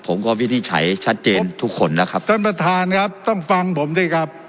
วินิจฉัยชัดเจนทุกคนแล้วครับท่านประธานครับต้องฟังผมสิครับ